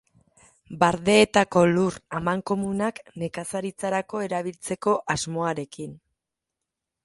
Bardeetako lur amankomunak nekazaritzarako erabiltzeko asmoarekin.